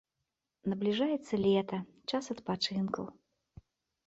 Набліжаецца лета, час адпачынкаў.